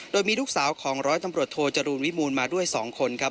โดยมีลูกสาวของร้อยตำรวจโทจรูลวิมูลมาด้วย๒คนครับ